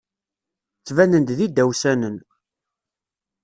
Ttbanen-d d idawsanen.